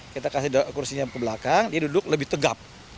kita kasih kursinya ke belakang dia duduk lebih tegap